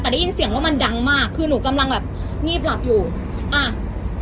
แต่ได้ยินเสียงว่ามันดังมากคือหนูกำลังแบบงีบหลับอยู่อ่า